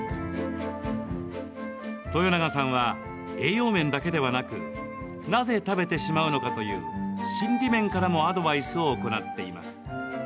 豊永さんは栄養面だけではなくなぜ食べてしまうのかという心理面からもアドバイスを行っています。